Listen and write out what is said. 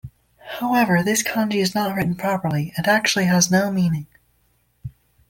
However, this kanji is not written properly, and actually has no meaning.